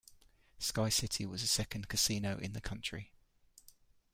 SkyCity was the second casino in the country.